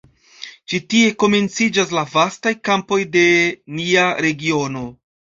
Ĉi tie komenciĝas la vastaj kampoj de nia regiono.